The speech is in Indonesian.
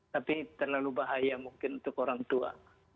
tapi terlalu bahaya mungkin untuk orang tua